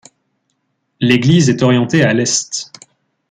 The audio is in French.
L'église est orientée à l'est.